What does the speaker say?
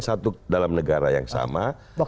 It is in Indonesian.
satu dalam negara yang sama